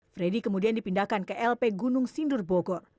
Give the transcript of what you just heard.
freddy kemudian dipindahkan ke lp gunung sindurbogor